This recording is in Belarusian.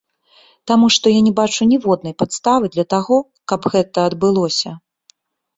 Таму што я не бачу ніводнай падставы для таго, каб гэта адбылося.